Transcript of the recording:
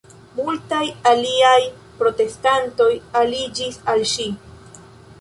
Multaj aliaj protestantoj aliĝis al ŝi.